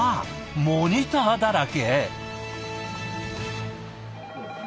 モニターだらけ。